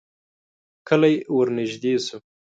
کلی ورنږدې شو.